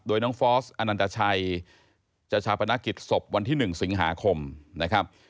โดยน้องฟอสอนันตชัยจะชาปนกิจศพวันที่๑สิงหาคมนะครับ